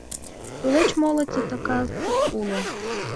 Тулеч моло титакат уло.